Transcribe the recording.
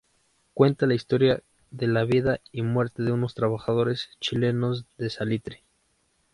Cuenta la historia de la vida y muerte de unos trabajadores chilenos de salitre.